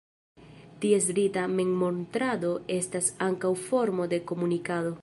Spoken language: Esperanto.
Ties rita memmontrado estas ankaŭ formo de komunikado.